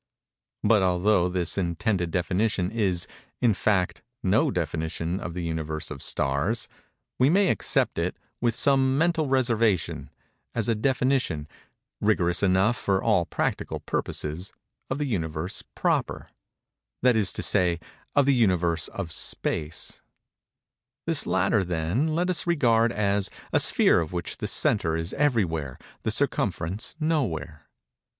But although this intended definition is, in fact, no definition of the Universe of stars, we may accept it, with some mental reservation, as a definition (rigorous enough for all practical purposes) of the Universe proper—that is to say, of the Universe of space. This latter, then, let us regard as "a sphere of which the centre is everywhere, the circumference nowhere."